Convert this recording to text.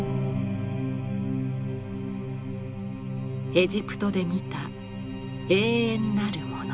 エジプトで見た永遠なるもの。